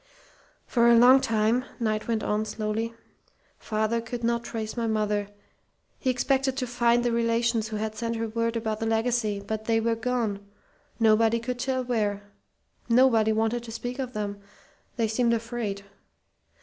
"For a long time," Knight went on, slowly, "father could not trace my mother. He expected to find the relations who had sent her word about the legacy, but they were gone nobody could tell where. Nobody wanted to speak of them. They seemed afraid.